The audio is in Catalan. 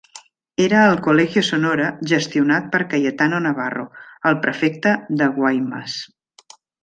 Era el Colegio Sonora gestionat per Cayetano Navarro, el prefecte de Guaymas.